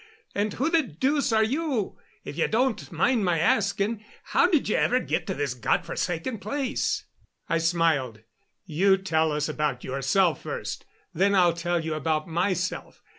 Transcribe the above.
And who the deuce are you, if you don't mind my asking? How did you ever get to this God forsaken place?" I smiled. "You tell us about yourself first; then I'll tell you about myself.